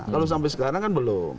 kalau sampai sekarang kan belum